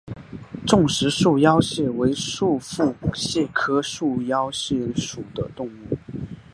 重石束腰蟹为束腹蟹科束腰蟹属的动物。